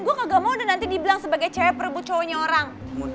gue kagak mau dong nanti dibilang sebagai cewek perebut cowoknya orang